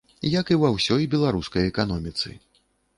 Як і ва ўсёй беларускай эканоміцы.